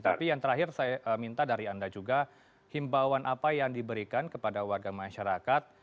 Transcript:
tapi yang terakhir saya minta dari anda juga himbauan apa yang diberikan kepada warga masyarakat